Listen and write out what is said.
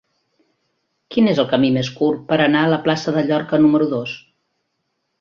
Quin és el camí més curt per anar a la plaça de Llorca número dos?